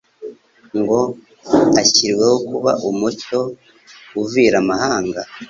ngo : "Ashyiriweho kuba umucyo uvira amahanga,